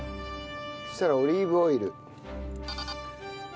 そしたらオリーブオイル。